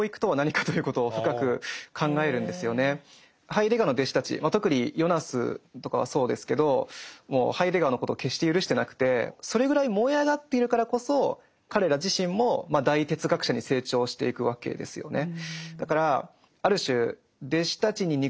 ハイデガーの弟子たち特にヨナスとかはそうですけどもうハイデガーのことを決して許してなくてそれぐらい燃え上がっているからこそ彼ら自身も大哲学者に成長していくわけですよね。